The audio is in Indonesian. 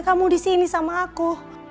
kamu disini sama aku